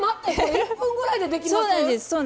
１分ぐらいでできます！